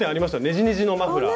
ねじねじのマフラー。